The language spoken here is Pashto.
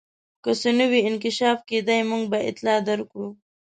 که څه نوی انکشاف کېدی موږ به اطلاع درکړو.